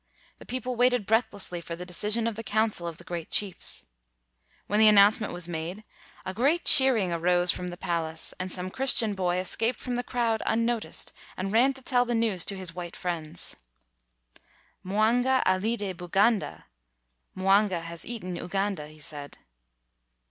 The people waited breathlessly for the decision of the council of the great chiefs. When the announcement was made, a great cheer 199 WHITE MAN OF WORK ing arose from the palace, and some Chris tian boy escaped from the crowd unnoticed and ran to tell the news to his white friends. "Mwanga alide B Uganda." (Mwanga has eaten Uganda), he said.